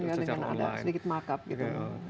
dan mereka menggunakan ada sedikit markup gitu